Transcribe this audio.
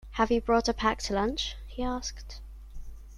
Have you brought a packed lunch? he asked